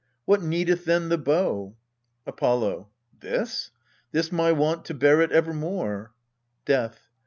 what needeth then the bow? Apollo. This? 'tis my wont to bear it evermore. Death.